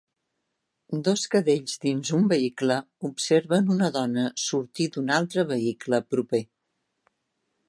Dos cadells dins un vehicle observen una dona sortir d'un altre vehicle proper.